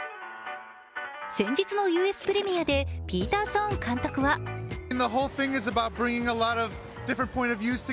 先日のＵＳプレミアでピーター・ソーン監督は増田さん。